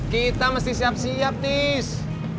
kita mesti siap siap tis